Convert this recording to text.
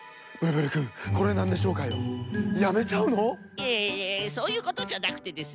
いえいえそういうことじゃなくてですね